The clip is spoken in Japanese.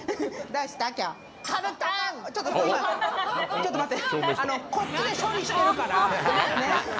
ちょっと待って。